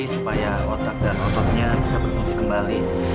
supaya otak dan ototnya bisa berfungsi kembali